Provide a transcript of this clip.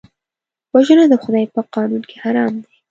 وژنه د خدای په قانون کې حرام ده